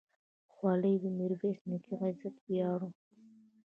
خولۍ د میرویس نیکه عزت ویاړ و.